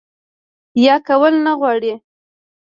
يا کول نۀ غواړي